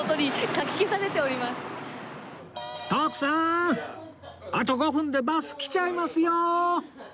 あと５分でバス来ちゃいますよー！